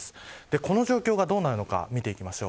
この状況がどうなるのか見ていきましょう。